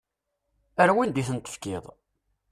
Ar wanda i ten-tefkiḍ?